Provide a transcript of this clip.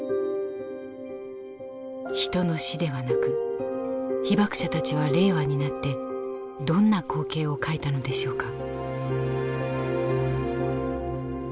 人の死ではなく被爆者たちは令和になってどんな光景を描いたのでしょうか。